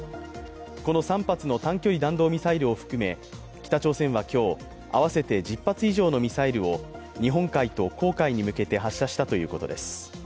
この３発の短距離弾道ミサイルを含め北朝鮮は今日合わせて１０発以上のミサイルを日本海と黄海に向けて発射したということです。